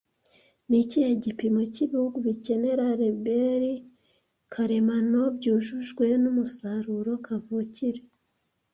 Ni ikihe gipimo cy’ibihugu bikenera reberi karemano byujujwe n’umusaruro kavukire